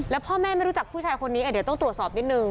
แล้วพ่อแม่ไม่รู้จักผู้ชายคนนี้เดี๋ยวต้องตรวจสอบนิดนึง